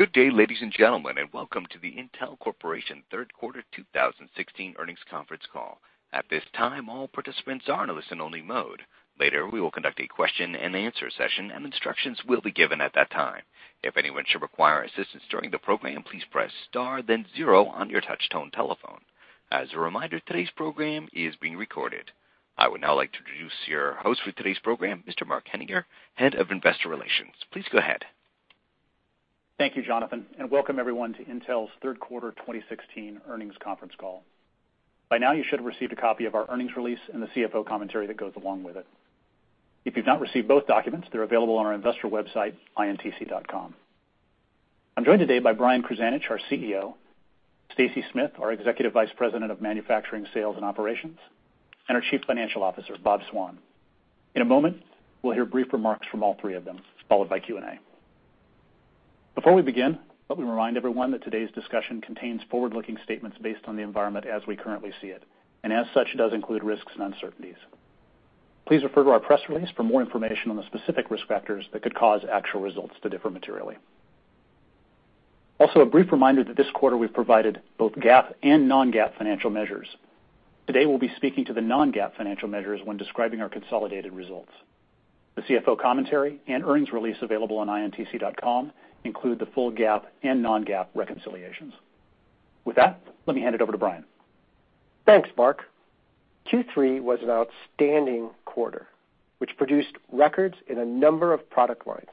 Good day, ladies and gentlemen, and welcome to the Intel Corporation third quarter 2016 earnings conference call. At this time, all participants are in a listen only mode. Later, we will conduct a question and answer session, and instructions will be given at that time. If anyone should require assistance during the program, please press star then zero on your touchtone telephone. As a reminder, today's program is being recorded. I would now like to introduce your host for today's program, Mr. Mark Henninger, Head of Investor Relations. Please go ahead. Thank you, Jonathan, and welcome everyone to Intel's third quarter 2016 earnings conference call. By now, you should have received a copy of our earnings release and the CFO commentary that goes along with it. If you've not received both documents, they're available on our investor website, intc.com. I'm joined today by Brian Krzanich, our CEO, Stacy Smith, our Executive Vice President of Manufacturing, Sales and Operations, and our Chief Financial Officer, Bob Swan. In a moment, we'll hear brief remarks from all three of them, followed by Q&A. Before we begin, let me remind everyone that today's discussion contains forward-looking statements based on the environment as we currently see it, and as such, does include risks and uncertainties. Please refer to our press release for more information on the specific risk factors that could cause actual results to differ materially. Also, a brief reminder that this quarter we've provided both GAAP and non-GAAP financial measures. Today, we'll be speaking to the non-GAAP financial measures when describing our consolidated results. The CFO commentary and earnings release available on intc.com include the full GAAP and non-GAAP reconciliations. With that, let me hand it over to Brian. Thanks, Mark. Q3 was an outstanding quarter, which produced records in a number of product lines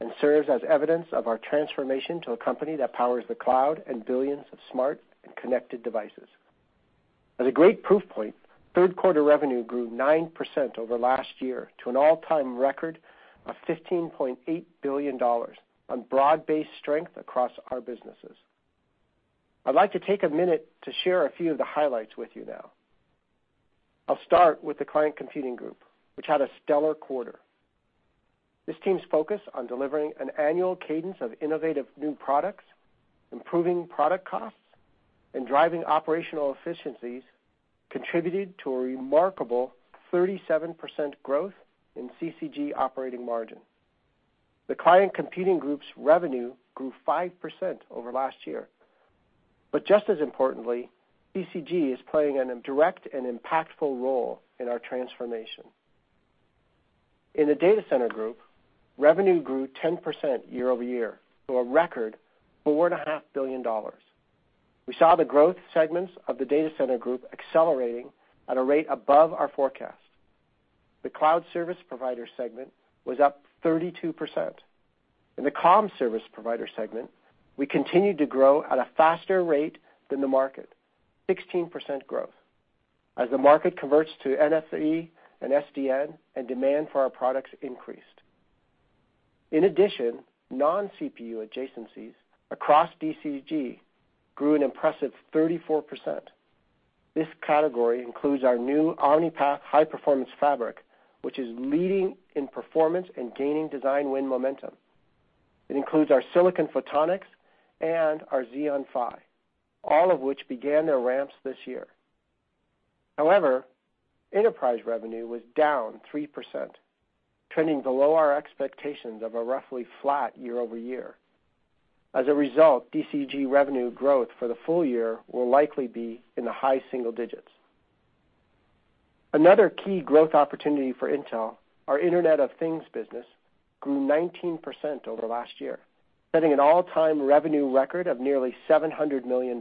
and serves as evidence of our transformation to a company that powers the cloud and billions of smart and connected devices. As a great proof point, third quarter revenue grew 9% over last year to an all-time record of $15.8 billion on broad-based strength across our businesses. I'd like to take a minute to share a few of the highlights with you now. I'll start with the Client Computing Group, which had a stellar quarter. This team's focus on delivering an annual cadence of innovative new products, improving product costs, and driving operational efficiencies contributed to a remarkable 37% growth in CCG operating margin. The Client Computing Group's revenue grew 5% over last year. Just as importantly, CCG is playing a direct and impactful role in our transformation. In the Data Center Group, revenue grew 10% year-over-year to a record $4.5 billion. We saw the growth segments of the Data Center Group accelerating at a rate above our forecast. The cloud service provider segment was up 32%. In the comm service provider segment, we continued to grow at a faster rate than the market, 16% growth as the market converts to NFV and SDN and demand for our products increased. In addition, non-CPU adjacencies across DCG grew an impressive 34%. This category includes our new Omni-Path high performance fabric, which is leading in performance and gaining design win momentum. It includes our Silicon Photonics and our Xeon Phi, all of which began their ramps this year. However, enterprise revenue was down 3%, trending below our expectations of a roughly flat year-over-year. As a result, DCG revenue growth for the full year will likely be in the high single digits. Another key growth opportunity for Intel, our Internet of Things business, grew 19% over last year, setting an all-time revenue record of nearly $700 million.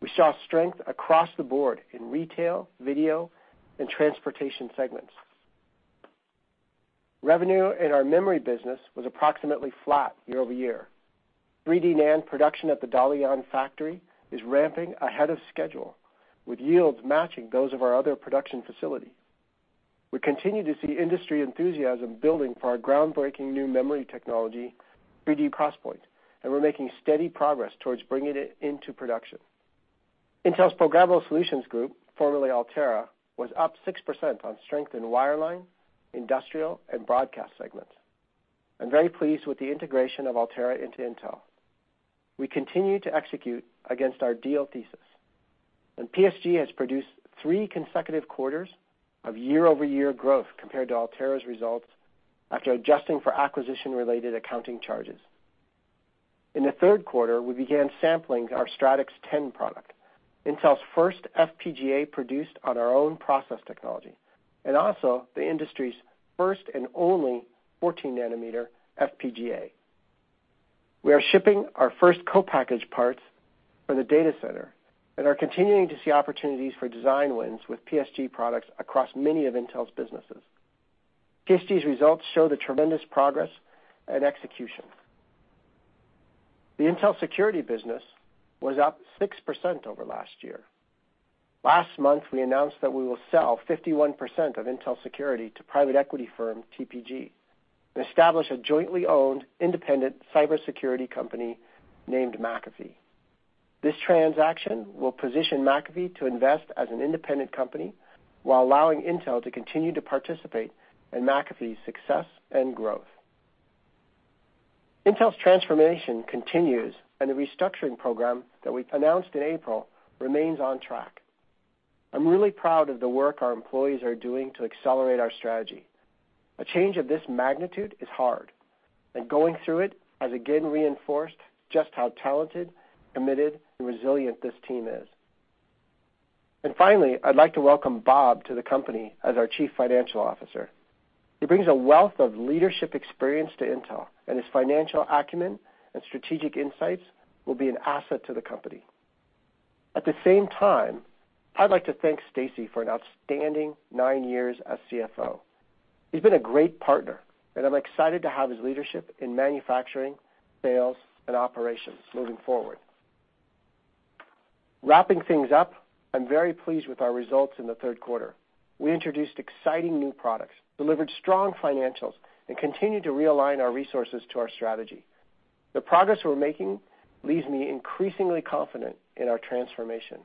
We saw strength across the board in retail, video, and transportation segments. Revenue in our memory business was approximately flat year-over-year. 3D NAND production at the Dalian factory is ramping ahead of schedule, with yields matching those of our other production facilities. We continue to see industry enthusiasm building for our groundbreaking new memory technology, 3D XPoint, and we're making steady progress towards bringing it into production. Intel's Programmable Solutions Group, formerly Altera, was up 6% on strength in wireline, industrial, and broadcast segments. I'm very pleased with the integration of Altera into Intel. We continue to execute against our deal thesis, and PSG has produced three consecutive quarters of year-over-year growth compared to Altera's results after adjusting for acquisition-related accounting charges. In the third quarter, we began sampling our Stratix 10 product, Intel's first FPGA produced on our own process technology, and also the industry's first and only 14 nanometer FPGA. We are shipping our first co-package parts for the data center and are continuing to see opportunities for design wins with PSG products across many of Intel's businesses. PSG's results show the tremendous progress and execution. The Intel Security business was up 6% over last year. Last month, we announced that we will sell 51% of Intel Security to private equity firm TPG and establish a jointly owned independent cybersecurity company named McAfee. This transaction will position McAfee to invest as an independent company while allowing Intel to continue to participate in McAfee's success and growth. Intel's transformation continues, and the restructuring program that we announced in April remains on track. I'm really proud of the work our employees are doing to accelerate our strategy. A change of this magnitude is hard, and going through it has again reinforced just how talented, committed, and resilient this team is. Finally, I'd like to welcome Bob to the company as our Chief Financial Officer. He brings a wealth of leadership experience to Intel, and his financial acumen and strategic insights will be an asset to the company. At the same time, I'd like to thank Stacy for an outstanding nine years as CFO. He's been a great partner, and I'm excited to have his leadership in Manufacturing, Sales and Operations moving forward. Wrapping things up, I'm very pleased with our results in the third quarter. We introduced exciting new products, delivered strong financials, and continued to realign our resources to our strategy. The progress we're making leaves me increasingly confident in our transformation.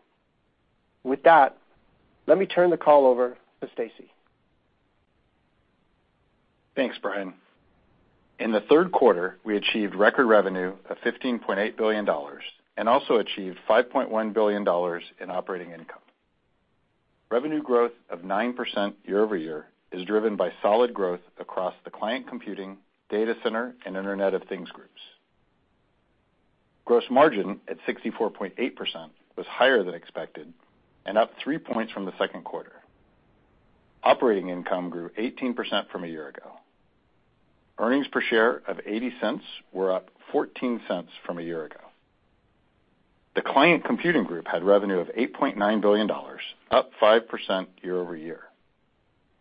With that, let me turn the call over to Stacy. Thanks, Brian. In the third quarter, we achieved record revenue of $15.8 billion and also achieved $5.1 billion in operating income. Revenue growth of 9% year-over-year is driven by solid growth across the Client Computing, Data Center, and Internet of Things groups. Gross margin at 64.8% was higher than expected and up three points from the second quarter. Operating income grew 18% from a year ago. Earnings per share of $0.80 were up $0.14 from a year ago. The Client Computing Group had revenue of $8.9 billion, up 5% year-over-year.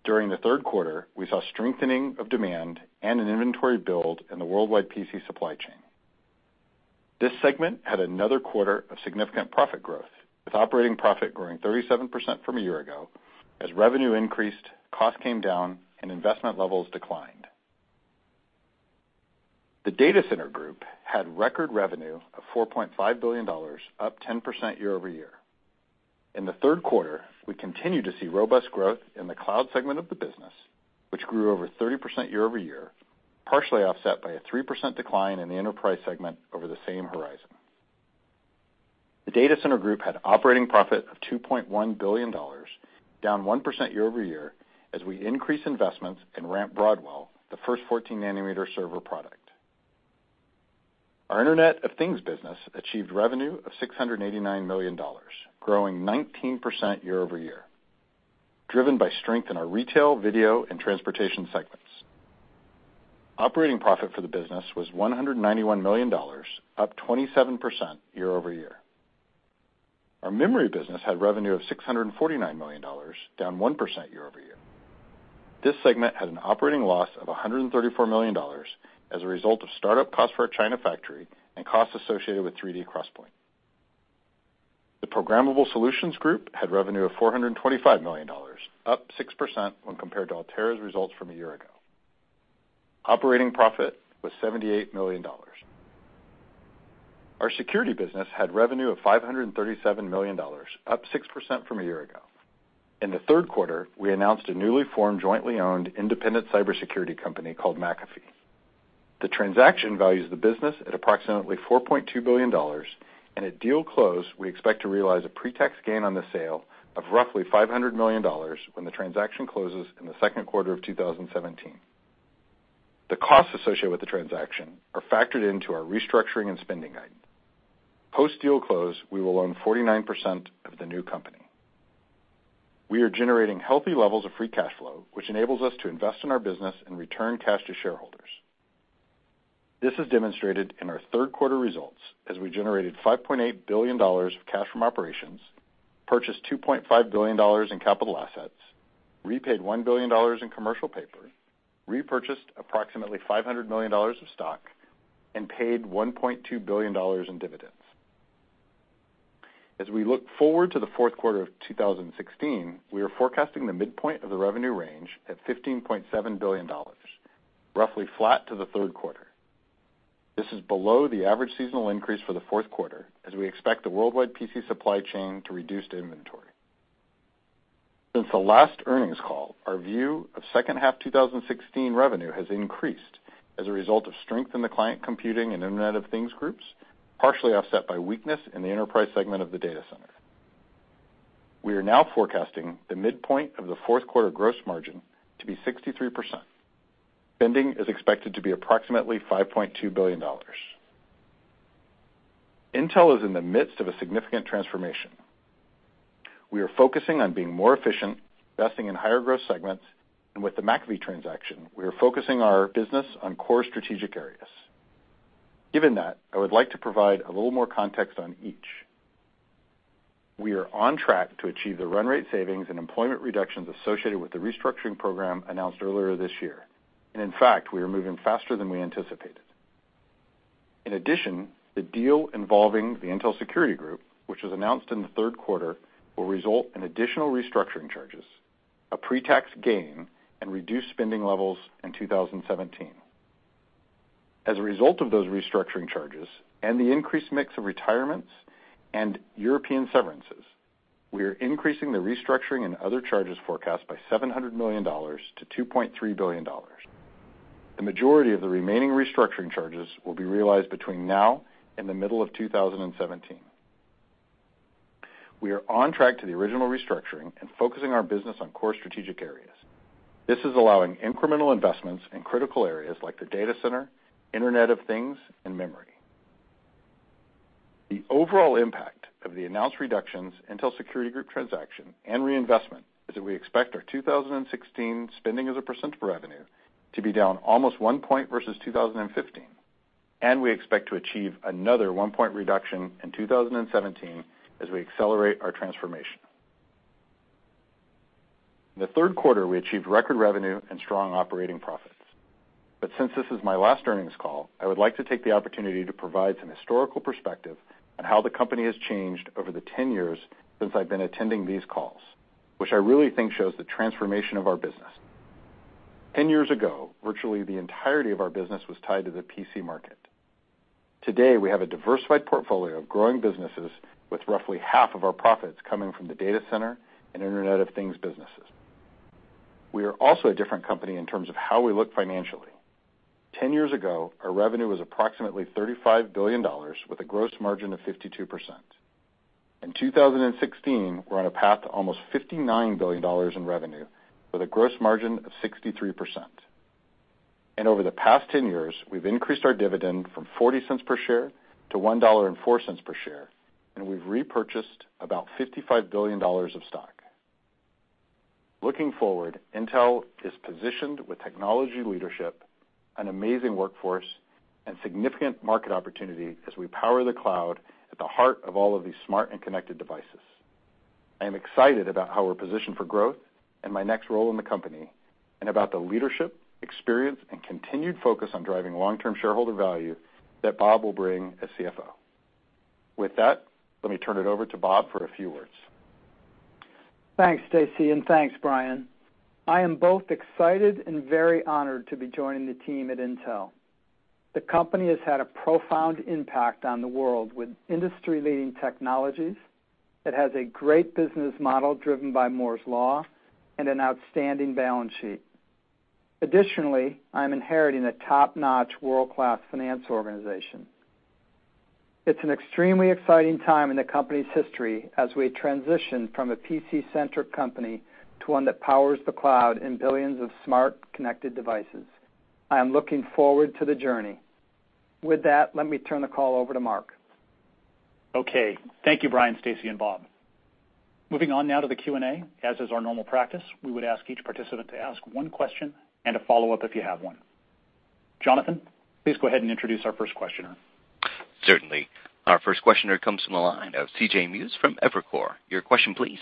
During the third quarter, we saw strengthening of demand and an inventory build in the worldwide PC supply chain. This segment had another quarter of significant profit growth, with operating profit growing 37% from a year ago as revenue increased, cost came down, and investment levels declined. The Data Center Group had record revenue of $4.5 billion, up 10% year-over-year. In the third quarter, we continued to see robust growth in the cloud segment of the business, which grew over 30% year-over-year, partially offset by a 3% decline in the enterprise segment over the same horizon. The Data Center Group had operating profit of $2.1 billion, down 1% year-over-year as we increased investments and ramped Broadwell, the first 14-nanometer server product. Our Internet of Things business achieved revenue of $689 million, growing 19% year-over-year, driven by strength in our retail, video, and transportation segments. Operating profit for the business was $191 million, up 27% year-over-year. Our Memory business had revenue of $649 million, down 1% year-over-year. This segment had an operating loss of $134 million as a result of startup costs for our China factory and costs associated with 3D XPoint. The Programmable Solutions Group had revenue of $425 million, up 6% when compared to Altera's results from a year ago. Operating profit was $78 million. Our Security business had revenue of $537 million, up 6% from a year ago. In the third quarter, we announced a newly formed, jointly owned independent cybersecurity company called McAfee. The transaction values the business at approximately $4.2 billion, and at deal close, we expect to realize a pretax gain on the sale of roughly $500 million when the transaction closes in the second quarter of 2017. The costs associated with the transaction are factored into our restructuring and spending guide. Post-deal close, we will own 49% of the new company. We are generating healthy levels of free cash flow, which enables us to invest in our business and return cash to shareholders. This is demonstrated in our third-quarter results, as we generated $5.8 billion of cash from operations, purchased $2.5 billion in capital assets, repaid $1 billion in commercial paper, repurchased approximately $500 million of stock, and paid $1.2 billion in dividends. As we look forward to the fourth quarter of 2016, we are forecasting the midpoint of the revenue range at $15.7 billion, roughly flat to the third quarter. This is below the average seasonal increase for the fourth quarter, as we expect the worldwide PC supply chain to reduce the inventory. Since the last earnings call, our view of second-half 2016 revenue has increased as a result of strength in the Client Computing and Internet of Things groups, partially offset by weakness in the enterprise segment of the Data Center. We are now forecasting the midpoint of the fourth quarter gross margin to be 63%. Spending is expected to be approximately $5.2 billion. Intel is in the midst of a significant transformation. We are focusing on being more efficient, investing in higher-growth segments, and with the McAfee transaction, we are focusing our business on core strategic areas. Given that, I would like to provide a little more context on each. We are on track to achieve the run rate savings and employment reductions associated with the restructuring program announced earlier this year. In fact, we are moving faster than we anticipated. In addition, the deal involving the Intel Security Group, which was announced in the third quarter, will result in additional restructuring charges, a pretax gain, and reduced spending levels in 2017. As a result of those restructuring charges and the increased mix of retirements and European severances, we are increasing the restructuring and other charges forecast by $700 million to $2.3 billion. The majority of the remaining restructuring charges will be realized between now and the middle of 2017. We are on track to the original restructuring and focusing our business on core strategic areas. This is allowing incremental investments in critical areas like the Data Center, Internet of Things, and memory. The overall impact of the announced reductions, Intel Security Group transaction, and reinvestment is that we expect our 2016 spending as a percent of revenue to be down almost one point versus 2015, and we expect to achieve another one-point reduction in 2017 as we accelerate our transformation. In the third quarter, we achieved record revenue and strong operating profits. Since this is my last earnings call, I would like to take the opportunity to provide some historical perspective on how the company has changed over the 10 years since I've been attending these calls, which I really think shows the transformation of our business. Ten years ago, virtually the entirety of our business was tied to the PC market. Today, we have a diversified portfolio of growing businesses with roughly half of our profits coming from the Data Center and Internet of Things businesses. We are also a different company in terms of how we look financially. 10 years ago, our revenue was approximately $35 billion with a gross margin of 52%. In 2016, we're on a path to almost $59 billion in revenue with a gross margin of 63%. Over the past 10 years, we've increased our dividend from $0.40 per share to $1.04 per share, and we've repurchased about $55 billion of stock. Looking forward, Intel is positioned with technology leadership, an amazing workforce, and significant market opportunity as we power the cloud at the heart of all of these smart and connected devices. I am excited about how we're positioned for growth and my next role in the company, and about the leadership, experience, and continued focus on driving long-term shareholder value that Bob will bring as CFO. With that, let me turn it over to Bob for a few words. Thanks, Stacy, and thanks, Brian. I am both excited and very honored to be joining the team at Intel. The company has had a profound impact on the world with industry-leading technologies. It has a great business model driven by Moore's law and an outstanding balance sheet. Additionally, I am inheriting a top-notch, world-class finance organization. It's an extremely exciting time in the company's history as we transition from a PC-centric company to one that powers the cloud and billions of smart, connected devices. I am looking forward to the journey. With that, let me turn the call over to Mark. Okay. Thank you, Brian, Stacy, and Bob. Moving on now to the Q&A. As is our normal practice, we would ask each participant to ask one question and a follow-up if you have one. Jonathan, please go ahead and introduce our first questioner. Certainly. Our first questioner comes from the line of C.J. Muse from Evercore. Your question please.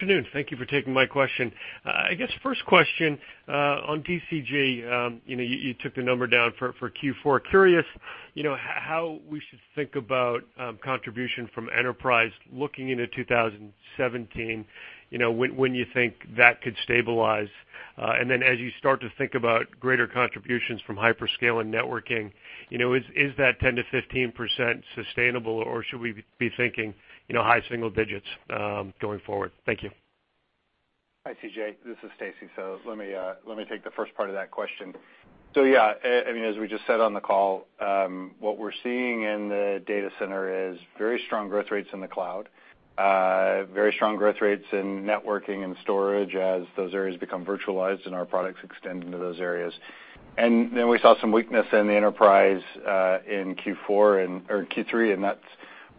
Good noon. Thank you for taking my question. I guess first question, on DCG, you took the number down for Q4. Curious, how we should think about contribution from enterprise looking into 2017, when you think that could stabilize. As you start to think about greater contributions from hyperscale and networking, is that 10%-15% sustainable, or should we be thinking high single digits going forward? Thank you. Hi, C.J. This is Stacy. Let me take the first part of that question. Yeah. As we just said on the call, what we're seeing in the data center is very strong growth rates in the cloud, very strong growth rates in networking and storage as those areas become virtualized and our products extend into those areas. We saw some weakness in the enterprise in Q3, and that's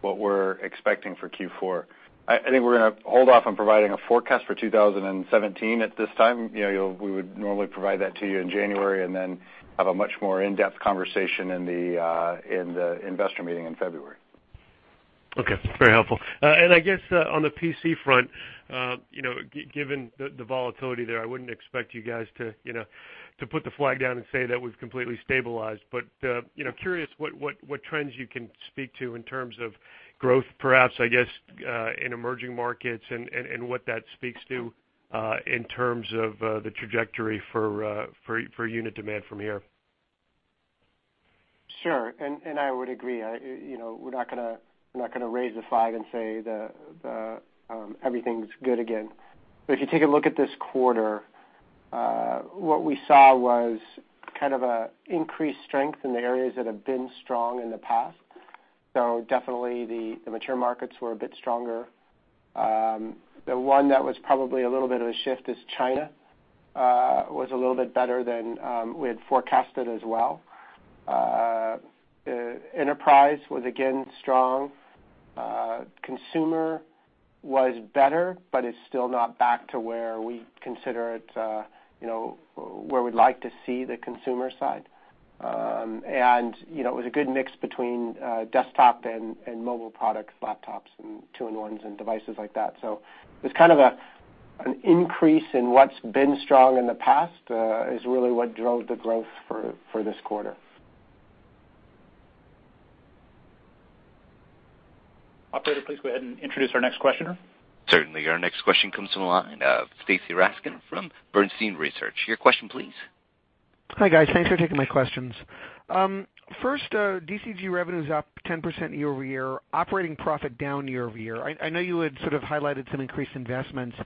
what we're expecting for Q4. I think we're going to hold off on providing a forecast for 2017 at this time. We would normally provide that to you in January and then have a much more in-depth conversation in the investor meeting in February. Okay. Very helpful. I guess, on the PC front, given the volatility there, I wouldn't expect you guys to put the flag down and say that we've completely stabilized. Curious what trends you can speak to in terms of growth, perhaps, I guess, in emerging markets and what that speaks to, in terms of the trajectory for unit demand from here. Sure. I would agree. We're not going to raise the flag and say that everything's good again. If you take a look at this quarter, what we saw was kind of an increased strength in the areas that have been strong in the past. Definitely the mature markets were a bit stronger. The one that was probably a little bit of a shift is China, was a little bit better than we had forecasted as well. Enterprise was again strong. Consumer was better, but it's still not back to where we'd like to see the consumer side. It was a good mix between desktop and mobile products, laptops, and 2-in-1s and devices like that. It's kind of an increase in what's been strong in the past is really what drove the growth for this quarter. Operator, please go ahead and introduce our next questioner. Certainly. Our next question comes from the line of Stacy Rasgon from Bernstein Research. Your question, please. Hi, guys. Thanks for taking my questions. First, DCG revenue is up 10% year-over-year, operating profit down year-over-year. I know you had sort of highlighted some increased investments,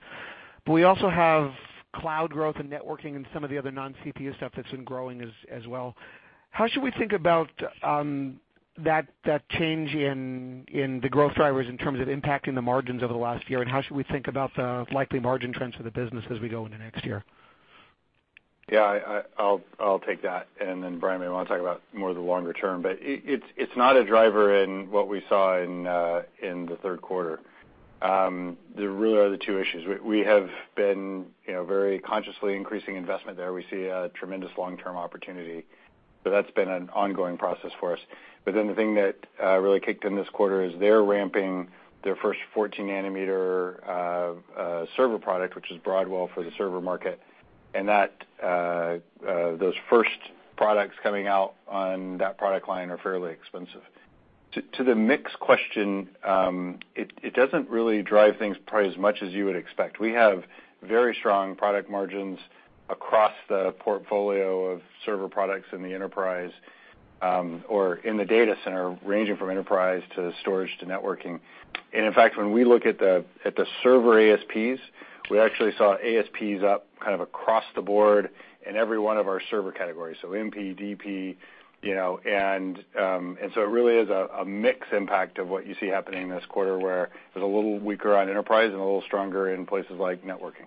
we also have cloud growth and networking and some of the other non-CPU stuff that's been growing as well. How should we think about that change in the growth drivers in terms of impacting the margins over the last year, and how should we think about the likely margin trends for the business as we go into next year? I'll take that. Brian may want to talk about more of the longer term. It's not a driver in what we saw in the third quarter. There really are the two issues. We have been very consciously increasing investment there. We see a tremendous long-term opportunity. That's been an ongoing process for us. The thing that really kicked in this quarter is they're ramping their first 14-nanometer server product, which is Broadwell for the server market. Those first products coming out on that product line are fairly expensive. To the mix question, it doesn't really drive things probably as much as you would expect. We have very strong product margins across the portfolio of server products in the enterprise or in the data center, ranging from enterprise to storage to networking. In fact, when we look at the server ASPs, we actually saw ASPs up kind of across the board in every one of our server categories, MP, DP. It really is a mix impact of what you see happening this quarter, where it was a little weaker on enterprise and a little stronger in places like networking.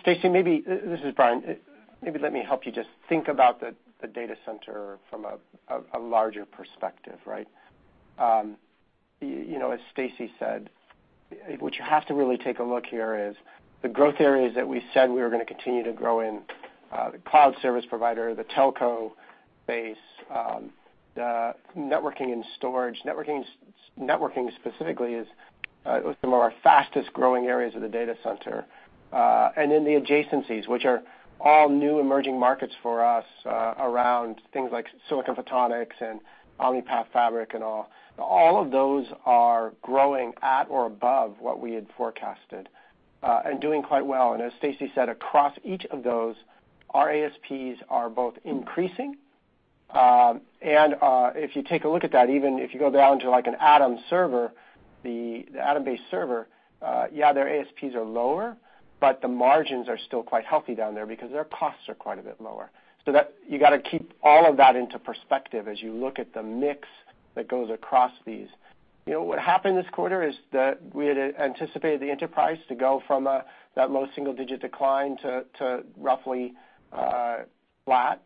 Stacy, this is Brian. Maybe let me help you just think about the Data Center from a larger perspective, right? As Stacy said, what you have to really take a look here is the growth areas that we said we were going to continue to grow in, the cloud service provider, the telco base, the networking and storage. Networking specifically is some of our fastest-growing areas of the Data Center. In the adjacencies, which are all new emerging markets for us around things like Silicon Photonics and Omni-Path fabric and all. All of those are growing at or above what we had forecasted and doing quite well. As Stacy said, across each of those, our ASPs are both increasing. If you take a look at that, even if you go down to an Atom server, the Atom-based server, their ASPs are lower. The margins are still quite healthy down there because their costs are quite a bit lower. You got to keep all of that into perspective as you look at the mix that goes across these. What happened this quarter is that we had anticipated the enterprise to go from that low single-digit decline to roughly flat.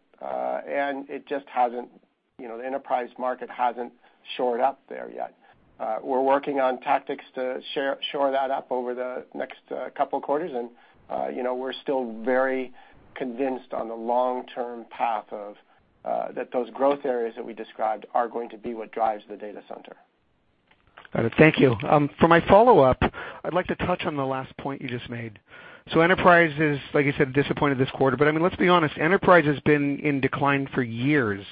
The enterprise market hasn't shored up there yet. We're working on tactics to shore that up over the next couple of quarters. We're still very convinced on the long-term path that those growth areas that we described are going to be what drives the Data Center. Got it. Thank you. For my follow-up, I'd like to touch on the last point you just made. enterprise is, like you said, disappointed this quarter. I mean, let's be honest, enterprise has been in decline for years.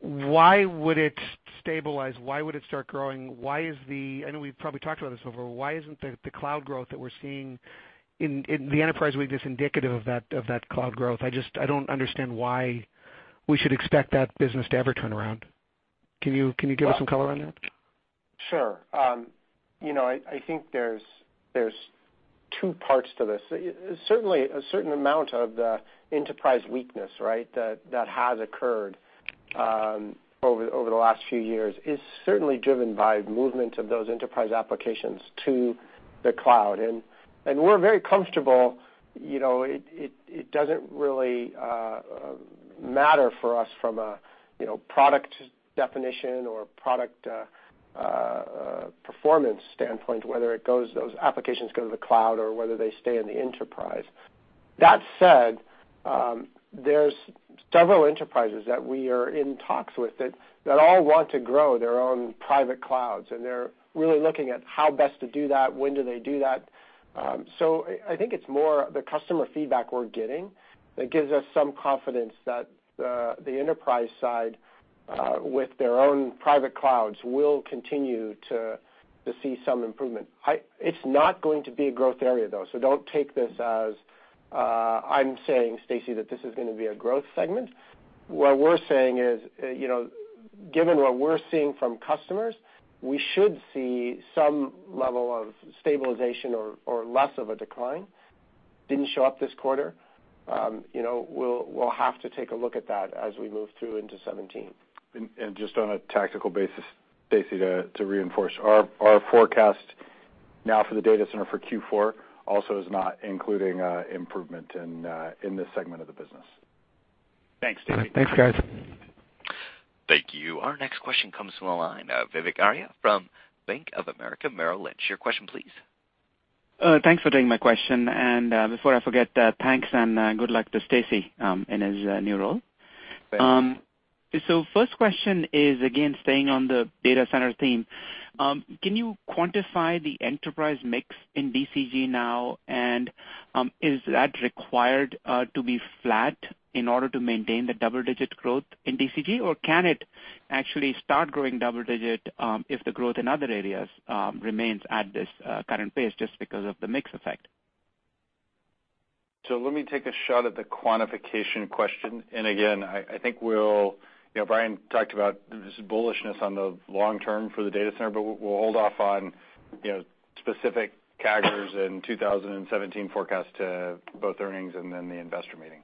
Why would it stabilize? Why would it start growing? I know we've probably talked about this before, why isn't the cloud growth that we're seeing in the enterprise weakness indicative of that cloud growth. I don't understand why we should expect that business to ever turn around. Can you give us some color on that? Sure. I think there's 2 parts to this. Certainly, a certain amount of the enterprise weakness that has occurred over the last few years is certainly driven by movement of those enterprise applications to the cloud. We're very comfortable, it doesn't really matter for us from a product definition or product performance standpoint, whether those applications go to the cloud or whether they stay in the enterprise. That said, there's several enterprises that we are in talks with that all want to grow their own private clouds, and they're really looking at how best to do that, when do they do that. I think it's more the customer feedback we're getting that gives us some confidence that the enterprise side with their own private clouds will continue to see some improvement. It's not going to be a growth area, though, don't take this as I'm saying, Stacy, that this is going to be a growth segment. What we're saying is, given what we're seeing from customers, we should see some level of stabilization or less of a decline. Didn't show up this quarter. We'll have to take a look at that as we move through into 2017. just on a tactical basis, Stacy, to reinforce, our forecast now for the data center for Q4 also is not including improvement in this segment of the business. Thanks, Stacy. Thanks, guys. Thank you. Our next question comes from the line of Vivek Arya from Bank of America Merrill Lynch. Your question, please. Thanks for taking my question. Before I forget, thanks and good luck to Stacy in his new role. First question is, again, staying on the data center theme. Can you quantify the enterprise mix in DCG now, and is that required to be flat in order to maintain the double-digit growth in DCG, or can it actually start growing double digit if the growth in other areas remains at this current pace just because of the mix effect? Let me take a shot at the quantification question. Again, I think Brian talked about this bullishness on the long-term for the data center, but we'll hold off on specific CAGRs and 2017 forecast to both earnings and the investor meeting.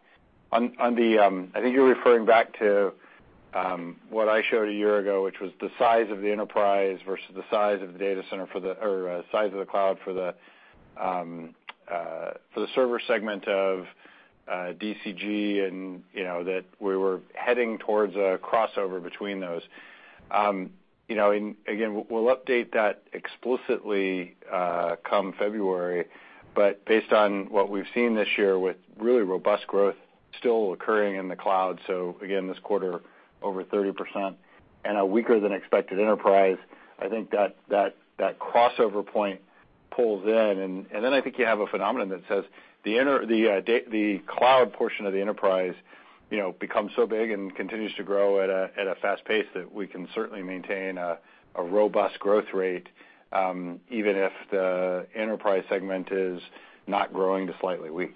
I think you're referring back to what I showed a year ago, which was the size of the enterprise versus the size of the cloud for the server segment of DCG, and that we were heading towards a crossover between those. We'll update that explicitly come February. Based on what we've seen this year, with really robust growth still occurring in the cloud, so again, this quarter, over 30%, and a weaker than expected enterprise, I think that crossover point pulls in. I think you have a phenomenon that says the cloud portion of the enterprise becomes so big and continues to grow at a fast pace that we can certainly maintain a robust growth rate, even if the enterprise segment is not growing to slightly weak.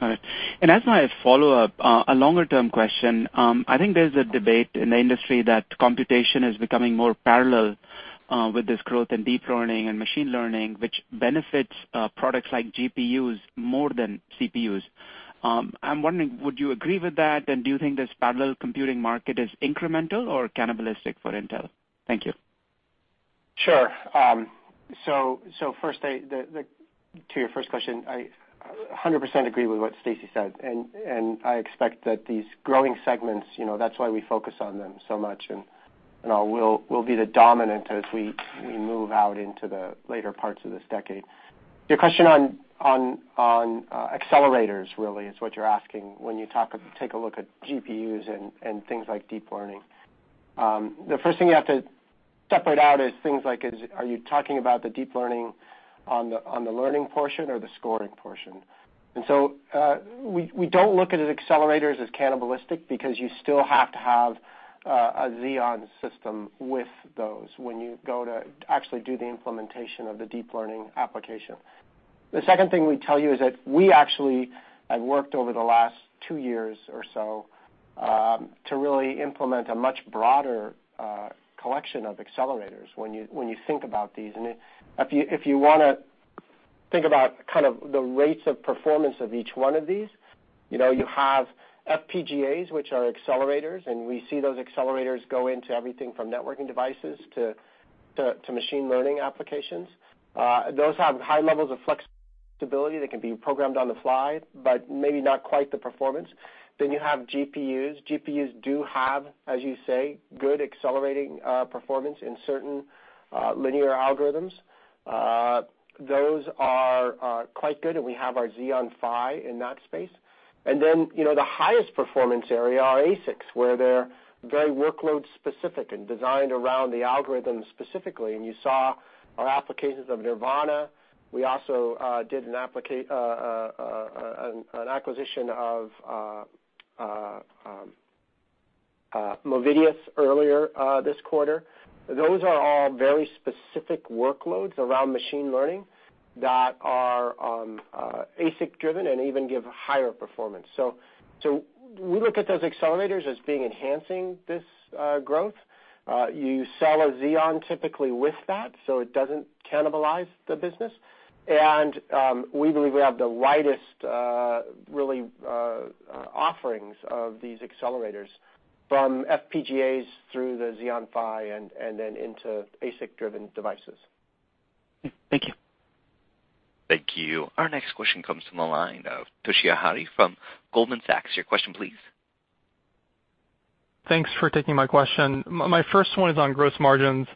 All right. As my follow-up, a longer-term question. I think there's a debate in the industry that computation is becoming more parallel with this growth in deep learning and machine learning, which benefits products like GPUs more than CPUs. I'm wondering, would you agree with that? Do you think this parallel computing market is incremental or cannibalistic for Intel? Thank you. Sure. First, to your first question, I 100% agree with what Stacy said, I expect that these growing segments, that's why we focus on them so much, and will be the dominant as we move out into the later parts of this decade. Your question on accelerators, really, is what you're asking when you take a look at GPUs and things like deep learning. The first thing you have to separate out is things like, are you talking about the deep learning on the learning portion or the scoring portion? We don't look at accelerators as cannibalistic because you still have to have a Xeon system with those when you go to actually do the implementation of the deep learning application. The second thing we'd tell you is that we actually have worked over the last two years or so to really implement a much broader collection of accelerators, when you think about these. If you want to think about the rates of performance of each one of these, you have FPGAs, which are accelerators, and we see those accelerators go into everything from networking devices to machine learning applications. Those have high levels of flexibility that can be programmed on the fly, but maybe not quite the performance. You have GPUs. GPUs do have, as you say, good accelerating performance in certain linear algorithms. Those are quite good, and we have our Xeon Phi in that space. The highest performance area are ASICs, where they're very workload specific and designed around the algorithm specifically. You saw our applications of Nervana. We also did an acquisition of Movidius earlier this quarter. Those are all very specific workloads around machine learning that are ASIC-driven and even give higher performance. We look at those accelerators as being enhancing this growth. You sell a Xeon typically with that, so it doesn't cannibalize the business. We believe we have the widest offerings of these accelerators, from FPGAs through the Xeon Phi, and then into ASIC-driven devices. Thank you. Thank you. Our next question comes from the line of Toshiya Hari from Goldman Sachs. Your question, please. Thanks for taking my question. My first one is on gross margins.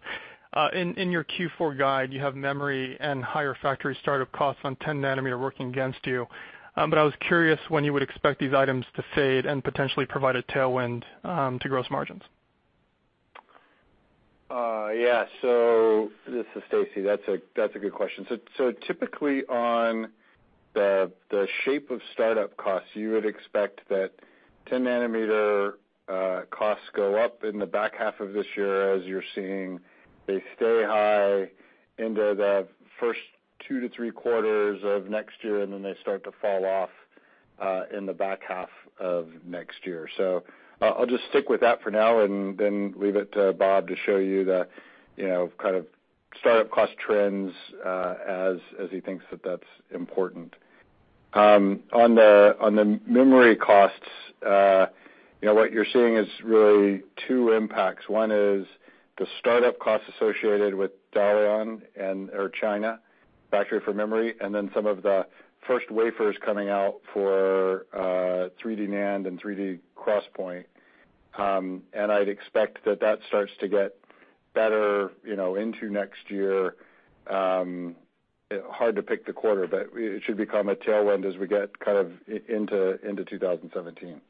In your Q4 guide, you have memory and higher factory startup costs on 10-nanometer working against you. I was curious when you would expect these items to fade and potentially provide a tailwind to gross margins. This is Stacy. That's a good question. Typically, on the shape of startup costs, you would expect that 10-nanometer costs go up in the back half of this year, as you're seeing. They stay high into the first two to three quarters of next year, then they start to fall off in the back half of next year. I'll just stick with that for now, then leave it to Bob Swan to show you the startup cost trends, as he thinks that that's important. On the memory costs, what you're seeing is really two impacts. One is the startup costs associated with Dalian or China factory for memory, then some of the first wafers coming out for 3D NAND and 3D XPoint. I'd expect that that starts to get better into next year. Hard to pick the quarter, it should become a tailwind as we get into 2017.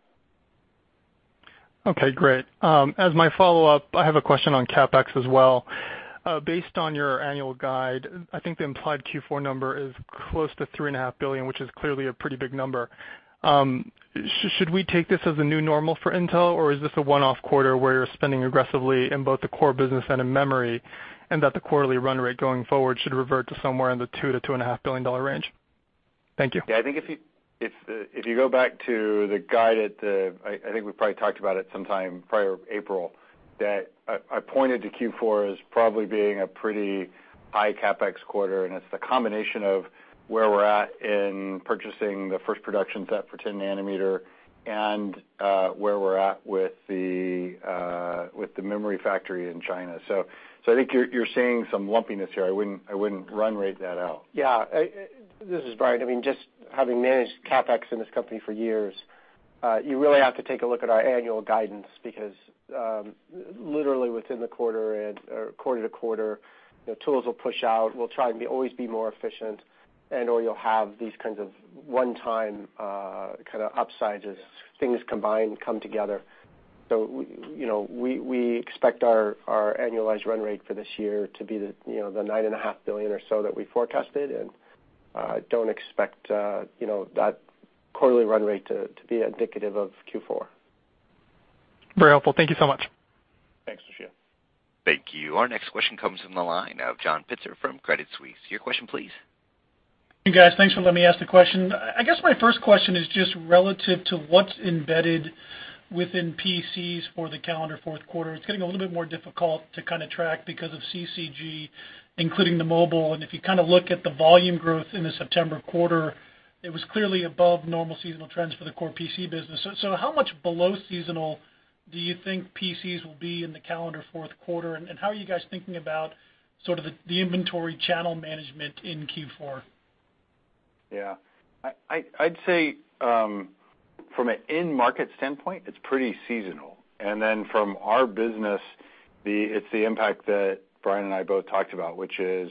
Okay, great. As my follow-up, I have a question on CapEx as well. Based on your annual guide, I think the implied Q4 number is close to $3.5 billion, which is clearly a pretty big number. Should we take this as a new normal for Intel, or is this a one-off quarter where you're spending aggressively in both the core business and in memory, the quarterly run rate going forward should revert to somewhere in the $2 billion-$2.5 billion range? Thank you. I think if you go back to the guide, I think we probably talked about it sometime prior April, that I pointed to Q4 as probably being a pretty high CapEx quarter, and it's the combination of where we're at in purchasing the first production set for 10 nanometer and where we're at with the memory factory in China. I think you're seeing some lumpiness here. I wouldn't run rate that out. This is Brian. Just having managed CapEx in this company for years, you really have to take a look at our annual guidance because, literally within the quarter and/or quarter to quarter, tools will push out. We'll try and always be more efficient and/or you'll have these kinds of one-time upsides as things combine, come together. We expect our annualized run rate for this year to be the nine and a half billion or so that we forecasted, and don't expect that quarterly run rate to be indicative of Q4. Very helpful. Thank you so much. Thanks, Toshiya. Thank you. Our next question comes from the line of John Pitzer from Credit Suisse. Your question please. Hey, guys. Thanks for letting me ask the question. I guess my first question is just relative to what's embedded within PCs for the calendar fourth quarter. It's getting a little bit more difficult to track because of CCG, including the mobile. If you look at the volume growth in the September quarter, it was clearly above normal seasonal trends for the core PC business. How much below seasonal do you think PCs will be in the calendar fourth quarter, and how are you guys thinking about sort of the inventory channel management in Q4? Yeah. I'd say from an in-market standpoint, it's pretty seasonal. From our business, it's the impact that Brian and I both talked about, which is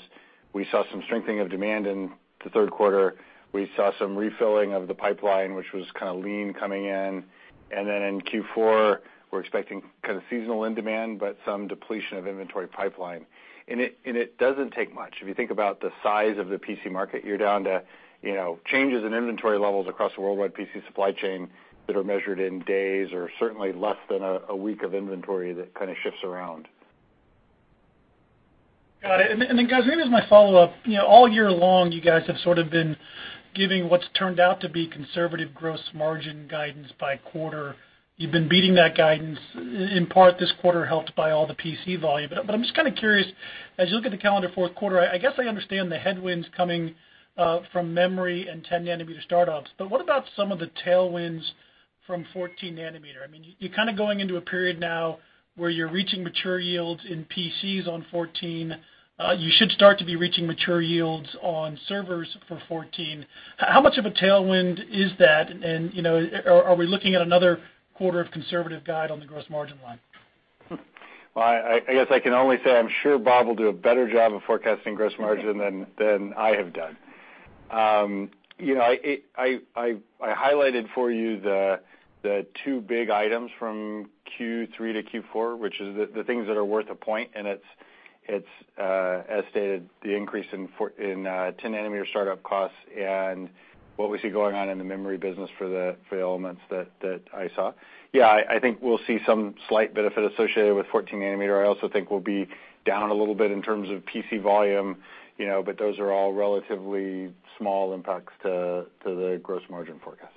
we saw some strengthening of demand in the third quarter. We saw some refilling of the pipeline, which was kind of lean coming in. In Q4, we're expecting kind of seasonal in demand, but some depletion of inventory pipeline. It doesn't take much. If you think about the size of the PC market, you're down to changes in inventory levels across the worldwide PC supply chain that are measured in days or certainly less than a week of inventory that kind of shifts around. Got it. Guys, maybe as my follow-up, all year long, you guys have sort of been giving what's turned out to be conservative gross margin guidance by quarter. You've been beating that guidance in part this quarter, helped by all the PC volume. I'm just kind of curious, as you look at the calendar fourth quarter, I guess I understand the headwinds coming from memory and 10 nanometer start-ups, but what about some of the tailwinds from 14 nanometer? You're kind of going into a period now where you're reaching mature yields in PCs on 14. You should start to be reaching mature yields on servers for 14. How much of a tailwind is that? Are we looking at another quarter of conservative guide on the gross margin line? Well, I guess I can only say I'm sure Bob will do a better job of forecasting gross margin than I have done. I highlighted for you the two big items from Q3 to Q4, which is the things that are worth a point, and it's, as stated, the increase in 10 nanometer start-up costs and what we see going on in the memory business for the elements that I saw. Yeah, I think we'll see some slight benefit associated with 14 nanometer. I also think we'll be down a little bit in terms of PC volume, but those are all relatively small impacts to the gross margin forecast.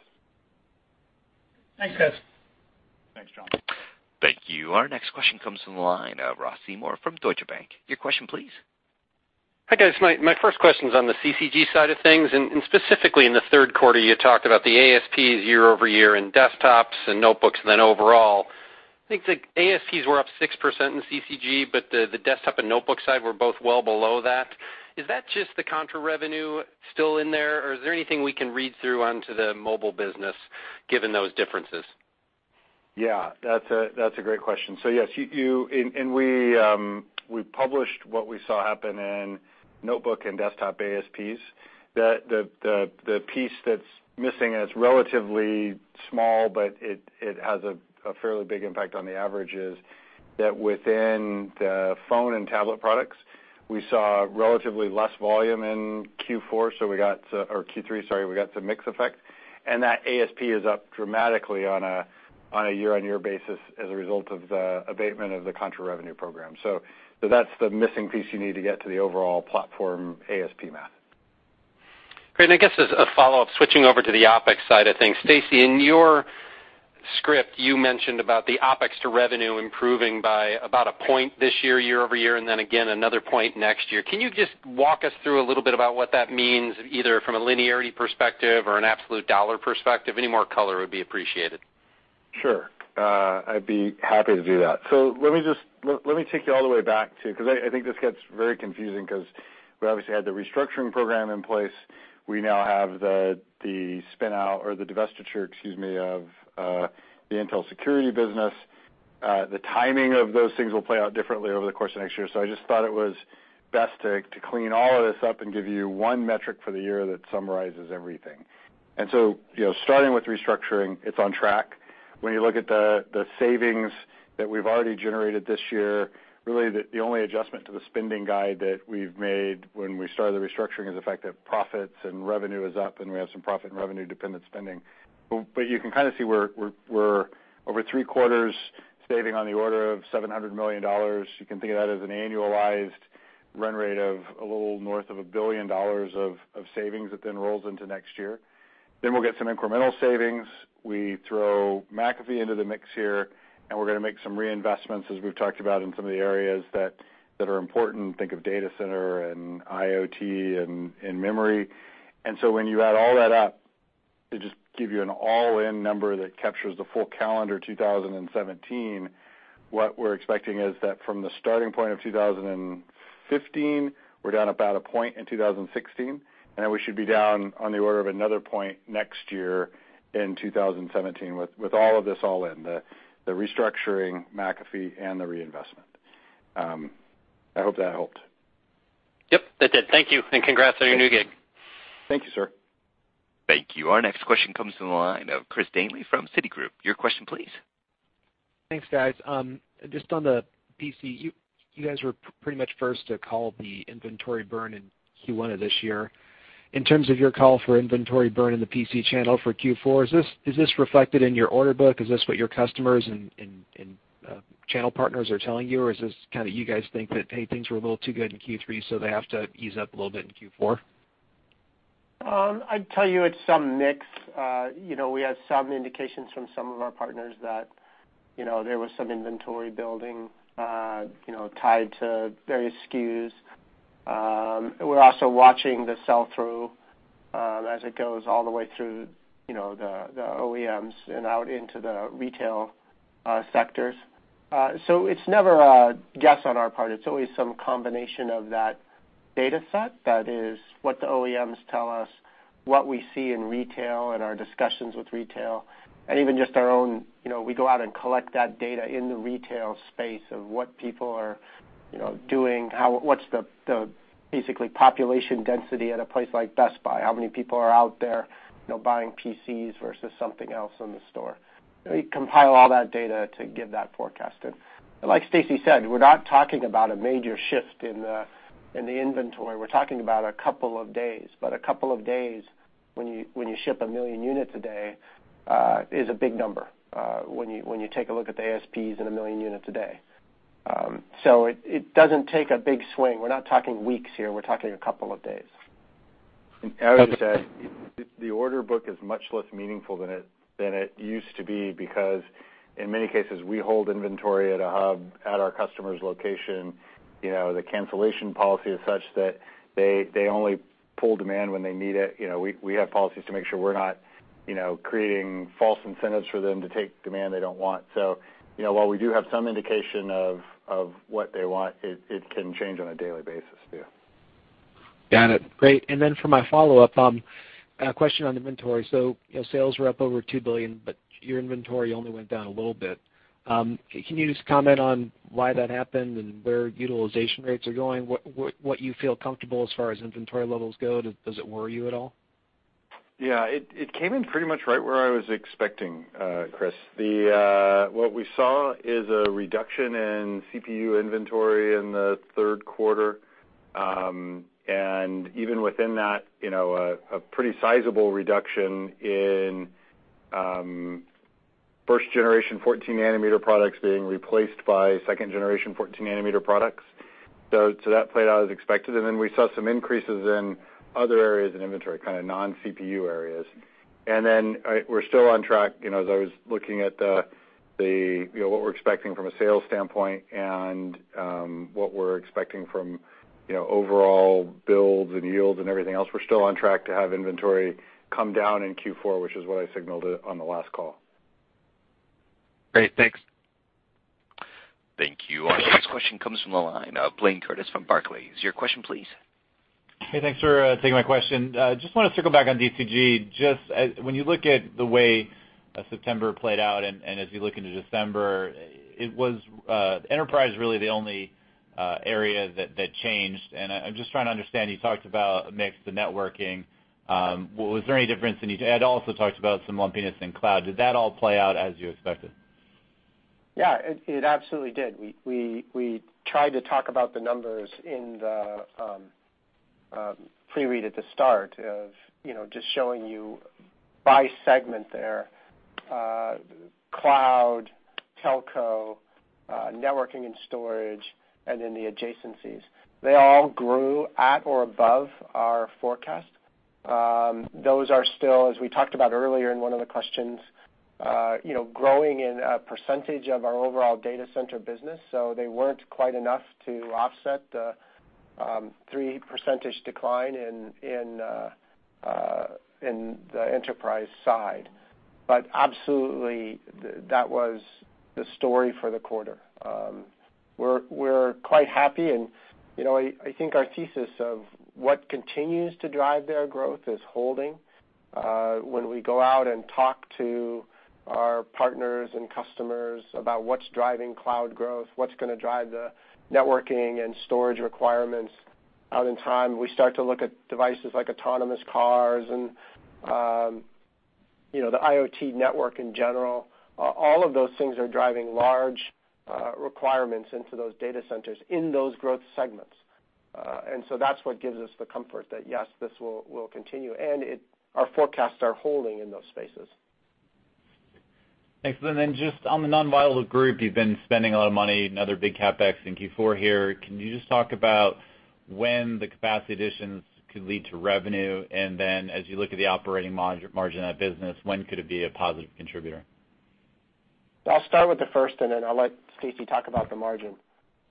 Thanks, guys. Thanks, John. Thank you. Our next question comes from the line of Ross Seymore from Deutsche Bank. Your question, please. Hi, guys. My first question's on the CCG side of things. Specifically in the third quarter, you talked about the ASPs year-over-year in desktops and notebooks and then overall. I think the ASPs were up 6% in CCG, the desktop and notebook side were both well below that. Is that just the contra revenue still in there, or is there anything we can read through onto the mobile business given those differences? Yeah. That's a great question. Yes, we published what we saw happen in notebook and desktop ASPs. The piece that's missing, it's relatively small, but it has a fairly big impact on the averages, that within the phone and tablet products, we saw relatively less volume in Q4, or Q3, sorry, we got some mix effect, and that ASP is up dramatically on a year-over-year basis as a result of the abatement of the contra revenue program. That's the missing piece you need to get to the overall platform ASP math. Great. I guess as a follow-up, switching over to the OpEx side of things. Stacy, in your script, you mentioned about the OpEx to revenue improving by about a point this year-over-year, again, another point next year. Can you just walk us through a little bit about what that means, either from a linearity perspective or an absolute dollar perspective? Any more color would be appreciated. Sure. I'd be happy to do that. Let me take you all the way back to because I think this gets very confusing because we obviously had the restructuring program in place. We now have the spin out or the divestiture, excuse me, of the Intel Security Business. The timing of those things will play out differently over the course of next year. I just thought it was best to clean all of this up and give you one metric for the year that summarizes everything. Starting with restructuring, it's on track. When you look at the savings that we've already generated this year, really, the only adjustment to the spending guide that we've made when we started the restructuring is the fact that profits and revenue is up, and we have some profit and revenue-dependent spending. You can kind of see we're over three quarters saving on the order of $700 million. You can think of that as an annualized run rate of a little north of a billion dollars of savings that then rolls into next year. We'll get some incremental savings. We throw McAfee into the mix here, and we're going to make some reinvestments, as we've talked about in some of the areas that are important. Think of data center and IoT and memory. When you add all that up, to just give you an all-in number that captures the full calendar 2017, what we're expecting is that from the starting point of 2015, we're down about a point in 2016, and then we should be down on the order of another point next year in 2017 with all of this all in, the restructuring McAfee and the reinvestment. I hope that helped. Yep, that did. Thank you, and congrats on your new gig. Thank you, sir. Thank you. Our next question comes from the line of Chris Danely from Citigroup. Your question, please. Thanks, guys. Just on the PC, you guys were pretty much first to call the inventory burn in Q1 of this year. In terms of your call for inventory burn in the PC channel for Q4, is this reflected in your order book? Is this what your customers and channel partners are telling you? Is this you guys think that, hey, things were a little too good in Q3, so they have to ease up a little bit in Q4? I'd tell you it's some mix. We had some indications from some of our partners that there was some inventory building tied to various SKUs. We're also watching the sell-through as it goes all the way through the OEMs and out into the retail sectors. It's never a guess on our part. It's always some combination of that data set. That is what the OEMs tell us, what we see in retail and our discussions with retail, and even just our own, we go out and collect that data in the retail space of what people are doing, what's the basically population density at a place like Best Buy, how many people are out there buying PCs versus something else in the store. We compile all that data to give that forecast. Like Stacy said, we're not talking about a major shift in the inventory. We're talking about a couple of days, but a couple of days when you ship 1 million units a day, is a big number, when you take a look at the ASPs and 1 million units a day. It doesn't take a big swing. We're not talking weeks here. We're talking a couple of days. I would just add, the order book is much less meaningful than it used to be because in many cases, we hold inventory at a hub at our customer's location. The cancellation policy is such that they only pull demand when they need it. We have policies to make sure we're not creating false incentives for them to take demand they don't want. While we do have some indication of what they want, it can change on a daily basis view. Got it. Great. Then for my follow-up, a question on inventory. Sales were up over $2 billion, but your inventory only went down a little bit. Can you just comment on why that happened and where utilization rates are going, what you feel comfortable as far as inventory levels go? Does it worry you at all? Yeah. It came in pretty much right where I was expecting, Chris. What we saw is a reduction in CPU inventory in the third quarter, and even within that, a pretty sizable reduction in first generation 14 nanometer products being replaced by second generation 14 nanometer products. That played out as expected. We saw some increases in other areas in inventory, kind of non-CPU areas. We're still on track, as I was looking at what we're expecting from a sales standpoint and what we're expecting from overall builds and yields and everything else, we're still on track to have inventory come down in Q4, which is what I signaled on the last call. Great. Thanks. Thank you. Our next question comes from the line of Blayne Curtis from Barclays. Your question, please. Hey, thanks for taking my question. Just want to circle back on DCG. Just when you look at the way September played out and as you look into December, enterprise really the only area that changed, I'm just trying to understand, you talked about mix, the networking. Was there any difference in each? Ed also talked about some lumpiness in cloud. Did that all play out as you expected? Yeah, it absolutely did. We tried to talk about the numbers in the pre-read at the start of just showing you by segment there, cloud, telco, networking and storage, and then the adjacencies. They all grew at or above our forecast. Those are still, as we talked about earlier in one of the questions, growing in a percentage of our overall data center business, so they weren't quite enough to offset the 3% decline in the enterprise side. Absolutely, that was the story for the quarter. We're quite happy, and I think our thesis of what continues to drive their growth is holding. When we go out and talk to our partners and customers about what's driving cloud growth, what's going to drive the networking and storage requirements out in time, we start to look at devices like autonomous cars and the IoT network in general. All of those things are driving large requirements into those data centers in those growth segments. That's what gives us the comfort that, yes, this will continue, and our forecasts are holding in those spaces. Thanks. Then just on the non-volatile group, you've been spending a lot of money, another big CapEx in Q4 here. Can you just talk about when the capacity additions could lead to revenue? Then as you look at the operating margin of that business, when could it be a positive contributor? I'll start with the first, then I'll let Stacy talk about the margin.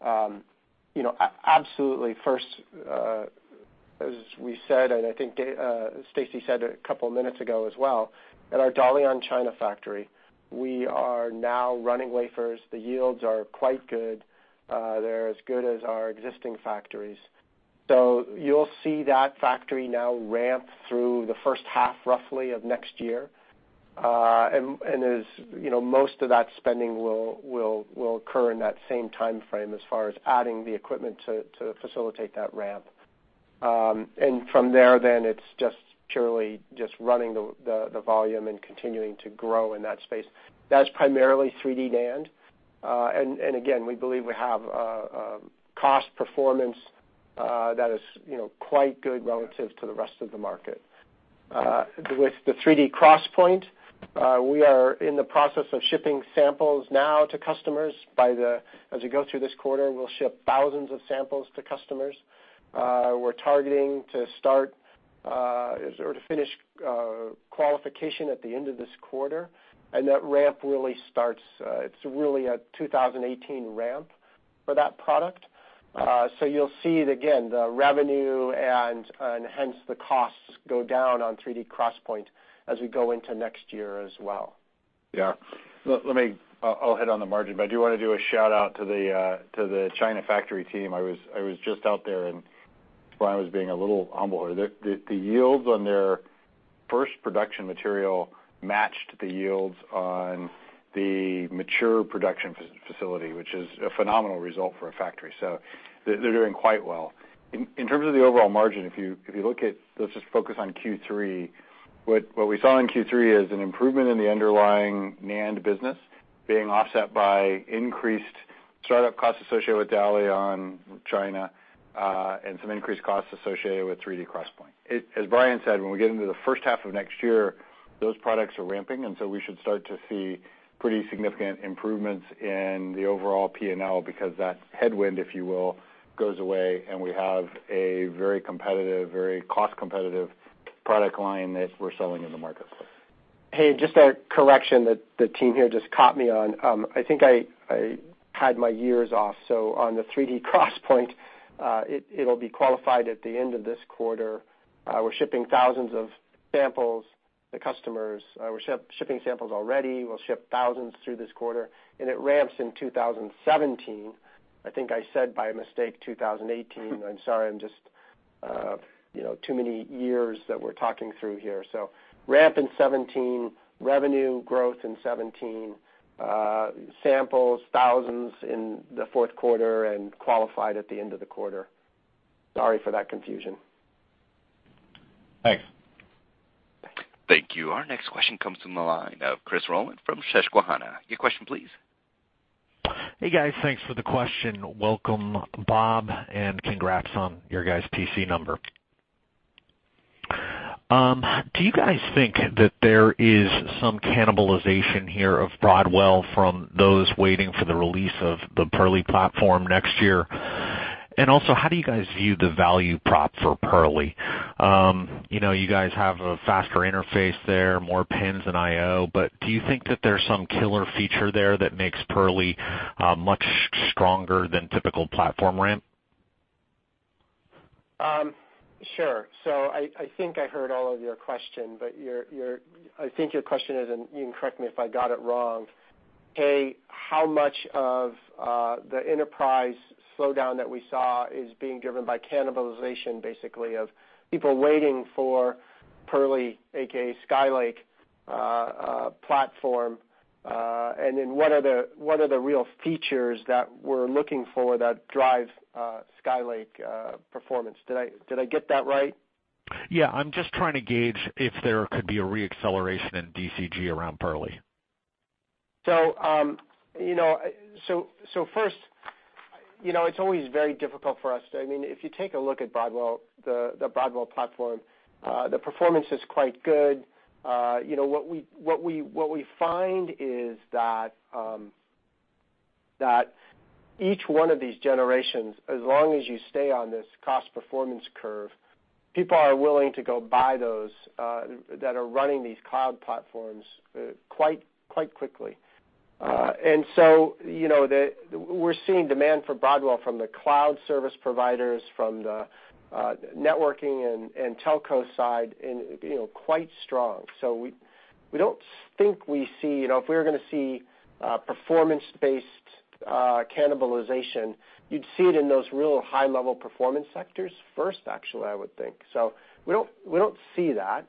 Absolutely. First, as we said, I think Stacy said a couple of minutes ago as well, at our Dalian, China factory, we are now running wafers. The yields are quite good. They're as good as our existing factories. You'll see that factory now ramp through the first half, roughly, of next year. Most of that spending will occur in that same timeframe as far as adding the equipment to facilitate that ramp. From there, it's just purely just running the volume and continuing to grow in that space. That's primarily 3D NAND. Again, we believe we have a cost performance that is quite good relative to the rest of the market. With the 3D XPoint, we are in the process of shipping samples now to customers. As we go through this quarter, we'll ship thousands of samples to customers. We're targeting to finish qualification at the end of this quarter, that ramp really starts, it's really a 2018 ramp for that product. You'll see it again, the revenue and hence the costs go down on 3D XPoint as we go into next year as well. Yeah. I'll hit on the margin, I do want to do a shout-out to the China factory team. I was just out there, Brian was being a little humble. The yields on their first production material matched the yields on the mature production facility, which is a phenomenal result for a factory. They're doing quite well. In terms of the overall margin, if you look at, let's just focus on Q3. What we saw in Q3 is an improvement in the underlying NAND business being offset by increased startup costs associated with Dalian, China, some increased costs associated with 3D XPoint. As Brian said, when we get into the first half of next year, those products are ramping, and so we should start to see pretty significant improvements in the overall P&L because that headwind, if you will, goes away, and we have a very cost-competitive product line that we're selling in the marketplace. Hey, just a correction that the team here just caught me on. I think I had my years off. On the 3D XPoint it'll be qualified at the end of this quarter. We're shipping thousands of samples. The customers, we're shipping samples already. We'll ship thousands through this quarter, and it ramps in 2017. I think I said by mistake 2018. I'm sorry, just too many years that we're talking through here. Ramp in '17, revenue growth in '17. Samples, thousands in the fourth quarter, and qualified at the end of the quarter. Sorry for that confusion. Thanks. Thanks. Thank you. Our next question comes from the line of Chris Rolland from Susquehanna. Your question, please. Hey, guys. Thanks for the question. Welcome, Bob, and congrats on your guys' PC number. Do you guys think that there is some cannibalization here of Broadwell from those waiting for the release of the Purley platform next year? How do you guys view the value prop for Purley? You guys have a faster interface there, more pins than IO, but do you think that there's some killer feature there that makes Purley much stronger than typical platform ramp? Sure. I think I heard all of your question, but I think your question is, and you can correct me if I got it wrong, A, how much of the enterprise slowdown that we saw is being driven by cannibalization, basically, of people waiting for Purley, AKA Skylake platform. What are the real features that we're looking for that drive Skylake performance? Did I get that right? Yeah. I'm just trying to gauge if there could be a re-acceleration in DCG around Purley. First, it's always very difficult for us. If you take a look at the Broadwell platform, the performance is quite good. What we find is that each one of these generations, as long as you stay on this cost-performance curve, people are willing to go buy those that are running these cloud platforms quite quickly. We're seeing demand for Broadwell from the cloud service providers, from the networking and telco side, quite strong. We don't think we see. If we were going to see performance-based cannibalization, you'd see it in those real high-level performance sectors first, actually, I would think. We don't see that.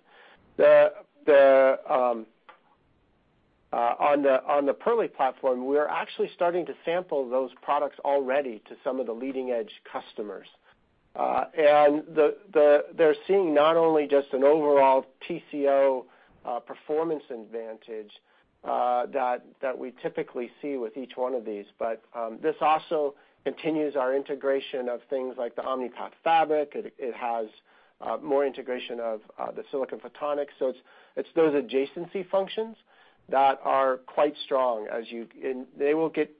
On the Purley platform, we are actually starting to sample those products already to some of the leading-edge customers. They're seeing not only just an overall TCO performance advantage that we typically see with each one of these, but this also continues our integration of things like the Omni-Path fabric. It has more integration of the Silicon Photonics. It's those adjacency functions that are quite strong, and they will get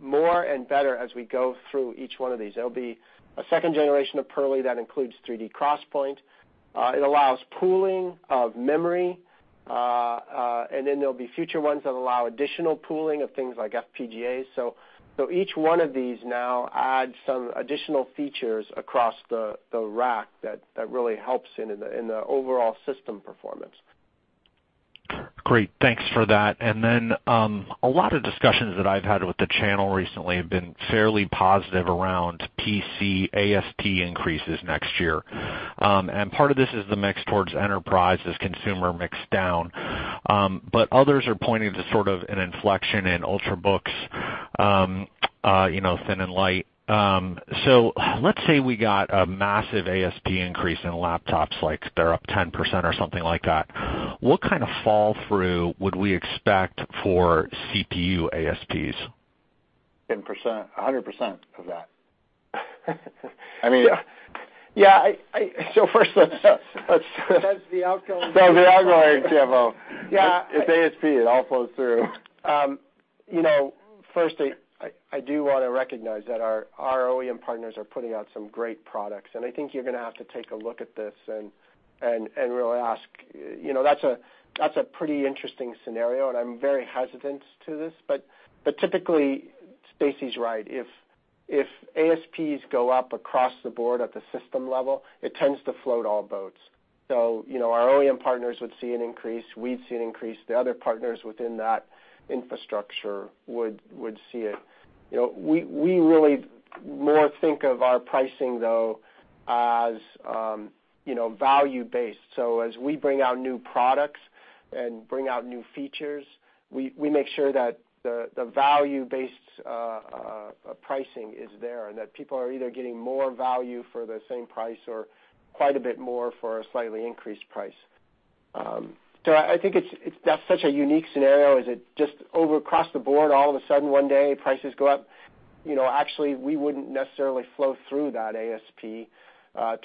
more and better as we go through each one of these. There'll be a second generation of Purley that includes 3D XPoint. It allows pooling of memory. There'll be future ones that allow additional pooling of things like FPGAs. Each one of these now adds some additional features across the rack that really helps in the overall system performance. Great. Thanks for that. A lot of discussions that I've had with the channel recently have been fairly positive around PC ASP increases next year. Part of this is the mix towards enterprise as consumer mix down. Others are pointing to sort of an inflection in Ultrabooks, thin and light. Let's say we got a massive ASP increase in laptops, like they're up 10% or something like that. What kind of fall through would we expect for CPU ASPs? 10%, 100% of that. First, let's- That's the outgoing- That was the outgoing CFO. Yeah. If ASP, it all flows through. I do want to recognize that our OEM partners are putting out some great products, and I think you're going to have to take a look at this and really ask. That's a pretty interesting scenario, and I'm very hesitant to this. Typically, Stacy's right. If ASPs go up across the board at the system level, it tends to float all boats. Our OEM partners would see an increase, we'd see an increase, the other partners within that infrastructure would see it. We really more think of our pricing, though, as value-based. As we bring out new products and bring out new features, we make sure that the value-based pricing is there and that people are either getting more value for the same price or quite a bit more for a slightly increased price. I think that's such a unique scenario, is it just over, across the board, all of a sudden, one day prices go up. Actually, we wouldn't necessarily flow through that ASP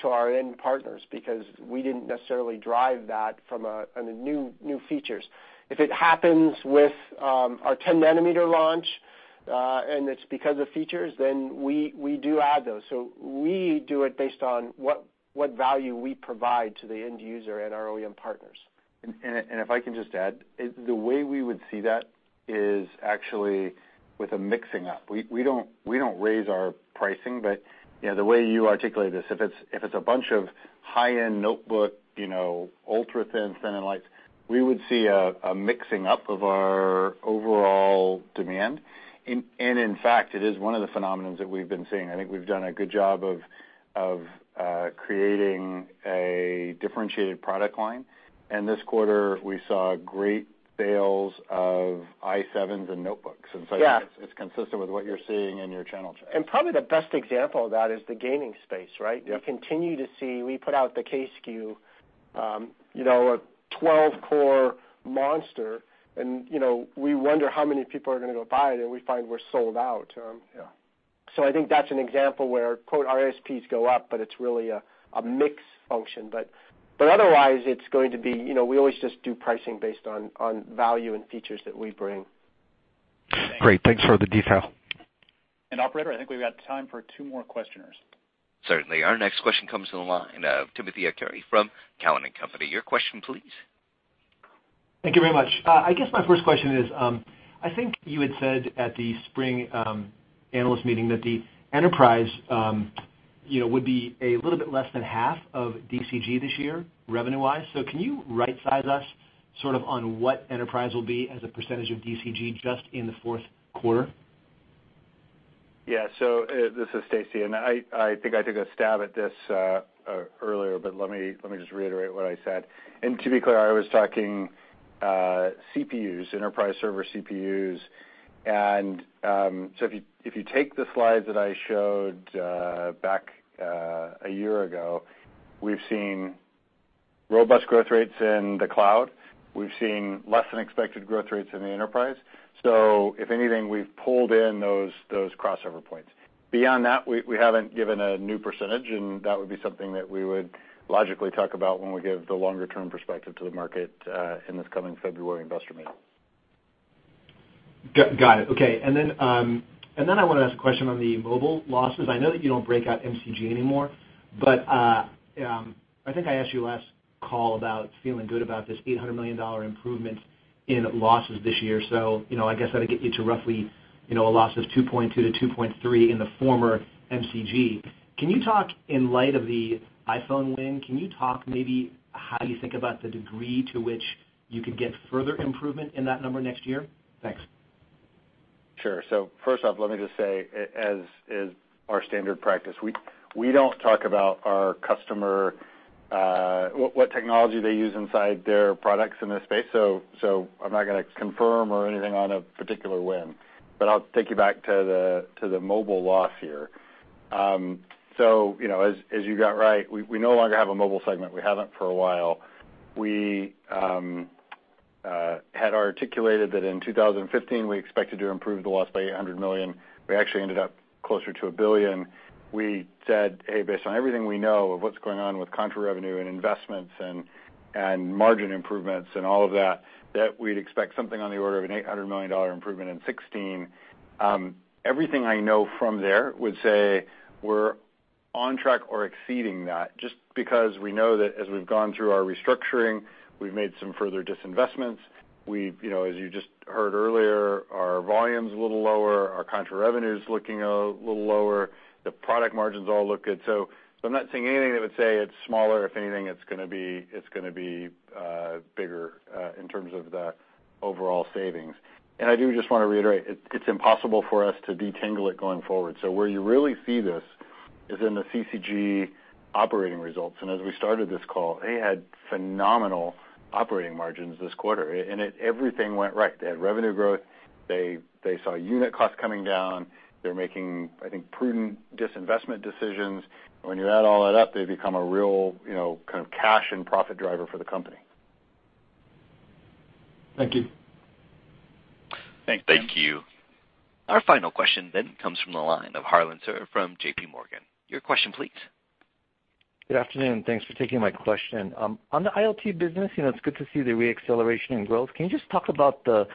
to our end partners because we didn't necessarily drive that from new features. If it happens with our 10 nanometer launch, and it's because of features, then we do add those. We do it based on what value we provide to the end user and our OEM partners. If I can just add, the way we would see that is actually with a mixing up. We don't raise our pricing. The way you articulated this, if it's a bunch of high-end notebook, ultra-thin, thin and lights, we would see a mixing up of our overall demand. In fact, it is one of the phenomenons that we've been seeing. I think we've done a good job of creating a differentiated product line. This quarter, we saw great sales of i7s and notebooks. Yeah. I think it's consistent with what you're seeing in your channel checks. Probably the best example of that is the gaming space, right? Yeah. We continue to see, we put out the K SKU, a 12-core monster, and we wonder how many people are going to go buy it, and we find we're sold out. Yeah. I think that's an example where quote, "ASPs go up," but it's really a mix function. Otherwise it's going to be, we always just do pricing based on value and features that we bring. Great. Thanks for the detail. Operator, I think we've got time for two more questioners. Certainly. Our next question comes from the line of Timothy Arcuri from Cowen and Company. Your question, please. Thank you very much. I guess my first question is, I think you had said at the spring analyst meeting that the enterprise would be a little bit less than half of DCG this year, revenue-wise. Can you right size us sort of on what enterprise will be as a percentage of DCG just in the fourth quarter? Yeah. This is Stacy, and I think I took a stab at this earlier, but let me just reiterate what I said. To be clear, I was talking CPUs, enterprise server CPUs. If you take the slides that I showed back a year ago, we've seen robust growth rates in the cloud. We've seen less than expected growth rates in the enterprise. If anything, we've pulled in those crossover points. Beyond that, we haven't given a new percentage, and that would be something that we would logically talk about when we give the longer-term perspective to the market in this coming February investor meeting. Got it. Okay. I want to ask a question on the mobile losses. I know that you don't break out MCG anymore, but I think I asked you last call about feeling good about this $800 million improvement in losses this year. I guess that'll get you to roughly a loss of $2.2-$2.3 in the former MCG. In light of the iPhone win, can you talk maybe how you think about the degree to which you could get further improvement in that number next year? Thanks. First off, let me just say, as our standard practice, we don't talk about our customer What technology they use inside their products in this space. I'm not going to confirm or anything on a particular win. I'll take you back to the mobile loss here. As you got right, we no longer have a mobile segment. We haven't for a while. We had articulated that in 2015, we expected to improve the loss by $800 million. We actually ended up closer to $1 billion. We said, "Hey, based on everything we know of what's going on with contra revenue and investments and margin improvements and all of that we'd expect something on the order of an $800 million improvement in 2016." Everything I know from there would say we're on track or exceeding that, just because we know that as we've gone through our restructuring, we've made some further disinvestments. As you just heard earlier, our volume's a little lower, our contra revenue's looking a little lower. The product margins all look good. I'm not seeing anything that would say it's smaller. If anything, it's going to be bigger in terms of the overall savings. I do just want to reiterate, it's impossible for us to detangle it going forward. Where you really see this is in the CCG operating results, and as we started this call, they had phenomenal operating margins this quarter, and everything went right. They had revenue growth. They saw unit costs coming down. They're making, I think, prudent disinvestment decisions. When you add all that up, they become a real kind of cash and profit driver for the company. Thank you. Thank you. Thank you. Our final question comes from the line of Harlan Sur from J.P. Morgan. Your question, please. Good afternoon. Thanks for taking my question. On the IoT business, it's good to see the re-acceleration in growth. Can you just talk about the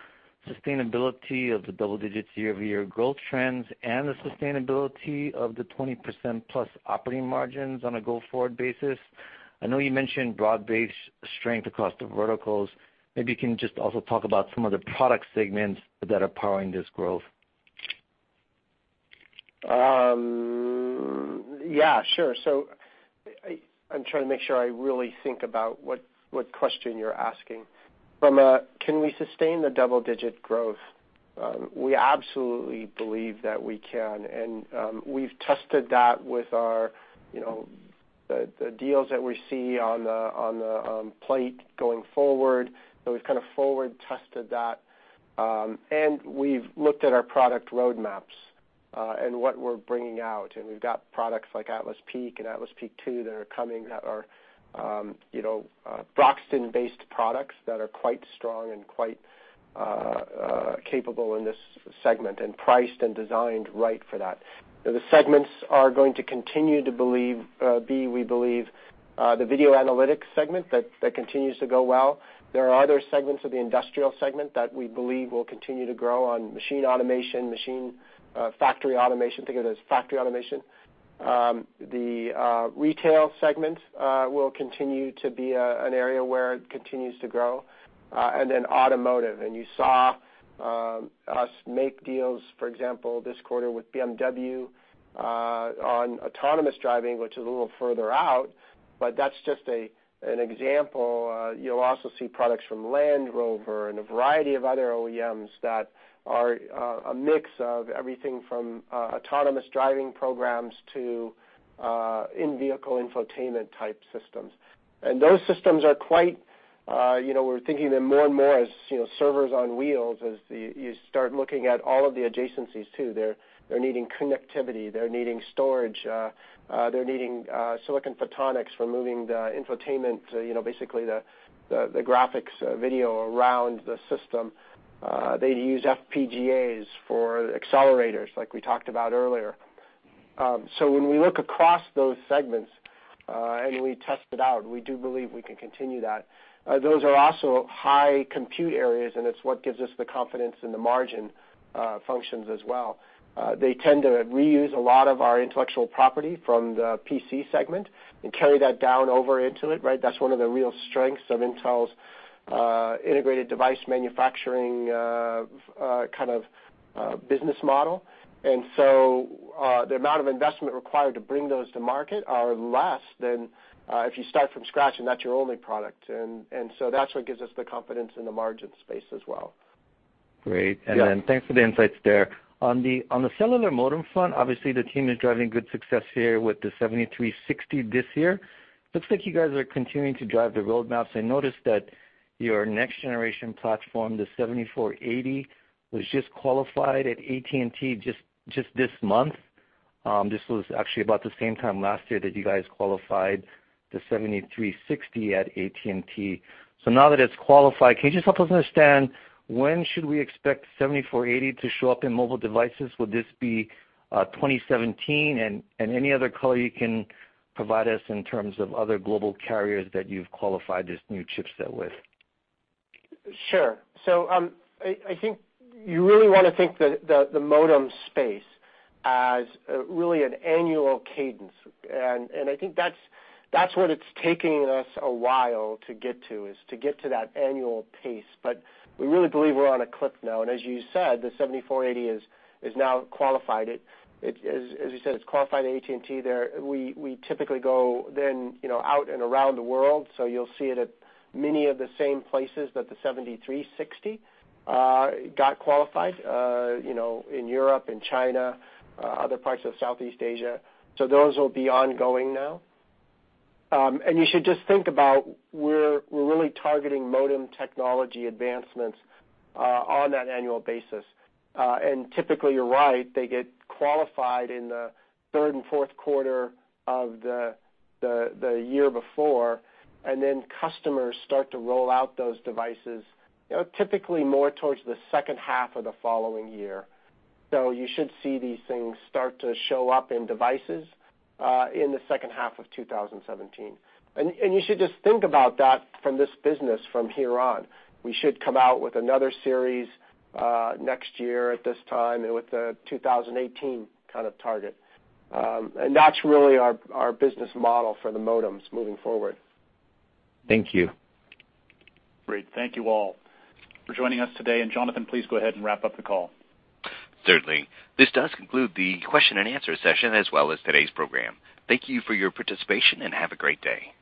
sustainability of the double digits year-over-year growth trends and the sustainability of the 20%+ operating margins on a go-forward basis? I know you mentioned broad-based strength across the verticals. Maybe you can just also talk about some of the product segments that are powering this growth. Yeah, sure. I'm trying to make sure I really think about what question you're asking. From a can we sustain the double-digit growth, we absolutely believe that we can, we've tested that with the deals that we see on the plate going forward. We've kind of forward tested that. We've looked at our product roadmaps, and what we're bringing out, and we've got products like Atlas Peak and Atlas Peak 2 that are coming that are Broxton-based products that are quite strong and quite capable in this segment and priced and designed right for that. The segments are going to continue to be, we believe, the video analytics segment that continues to go well. There are other segments of the industrial segment that we believe will continue to grow on machine automation, factory automation. Think of it as factory automation. The retail segment will continue to be an area where it continues to grow, automotive. You saw us make deals, for example, this quarter with BMW, on autonomous driving, which is a little further out, but that's just an example. You'll also see products from Land Rover and a variety of other OEMs that are a mix of everything from autonomous driving programs to in-vehicle infotainment-type systems. Those systems, we're thinking of them more and more as servers on wheels as you start looking at all of the adjacencies, too. They're needing connectivity. They're needing storage. They're needing Intel Silicon Photonics for moving the infotainment, basically the graphics video around the system. They use FPGAs for accelerators, like we talked about earlier. When we look across those segments, and we test it out, we do believe we can continue that. Those are also high compute areas, it's what gives us the confidence in the margin functions as well. They tend to reuse a lot of our intellectual property from the PC segment and carry that down over into it, right? That's one of the real strengths of Intel's integrated device manufacturing kind of business model. The amount of investment required to bring those to market are less than if you start from scratch and that's your only product. That's what gives us the confidence in the margin space as well. Great. Yeah. Thanks for the insights there. On the cellular modem front, obviously the team is driving good success here with the XMM 7360 this year. Looks like you guys are continuing to drive the roadmaps. I noticed that your next generation platform, the XMM 7480, was just qualified at AT&T just this month. This was actually about the same time last year that you guys qualified the XMM 7360 at AT&T. Now that it's qualified, can you just help us understand when should we expect XMM 7480 to show up in mobile devices? Will this be 2017? Any other color you can provide us in terms of other global carriers that you've qualified this new chipset with? Sure. I think you really want to think the modem space as really an annual cadence. I think that's what it's taking us a while to get to, is to get to that annual pace. We really believe we're on a cliff now, and as you said, the XMM 7480 is now qualified. As you said, it's qualified AT&T there. We typically go then out and around the world, you'll see it at many of the same places that the XMM 7360 got qualified, in Europe, in China, other parts of Southeast Asia. Those will be ongoing now. You should just think about we're really targeting modem technology advancements on that annual basis. Typically you're right, they get qualified in the third and fourth quarter of the year before, then customers start to roll out those devices typically more towards the second half of the following year. You should see these things start to show up in devices in the second half of 2017. You should just think about that from this business from here on. We should come out with another series next year at this time and with a 2018 kind of target. That's really our business model for the modems moving forward. Thank you. Great. Thank you all for joining us today, and Jonathan, please go ahead and wrap up the call. Certainly. This does conclude the question and answer session as well as today's program. Thank you for your participation, and have a great day.